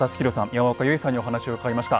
山岡佑衣さんにお話を伺いました。